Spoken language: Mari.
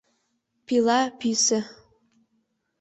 Пила пӱсӧ.